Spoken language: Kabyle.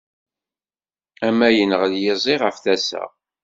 Am ma yennɣel yiẓi ɣef tasa.